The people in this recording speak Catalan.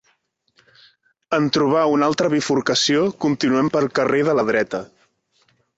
En trobar una altra bifurcació, continuem pel carrer de la dreta.